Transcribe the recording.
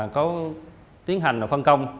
có tiến hành phân công